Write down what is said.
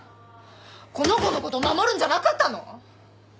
この子の事守るんじゃなかったの？